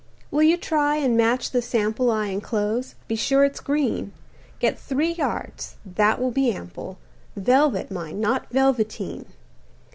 "Will you try and match the sample I enclose be sure it's green. Get three yards that will be ample. Velvet, mind, not velveteen.